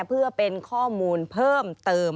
เพื่อเป็นข้อมูลเพิ่มเติม